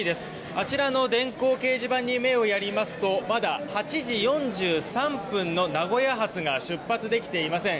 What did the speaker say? あちらの電光掲示板に目をやりますとまだ８時４３分の名古屋発が出発できていません。